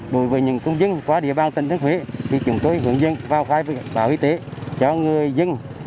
đối với những công dân qua địa bàn tỉnh thứ thiên huế thì chúng tôi hướng dẫn vào khai báo y tế cho người dân